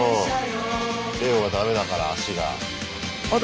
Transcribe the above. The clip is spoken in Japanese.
レオがダメだから足が。